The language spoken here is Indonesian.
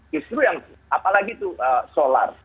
justru yang apalagi itu solar